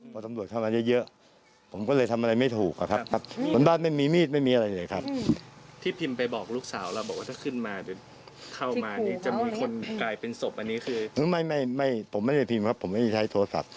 แล้วผมไม่ได้พิมพ์นะครับผมไม่ได้ใช้โทรศัพท์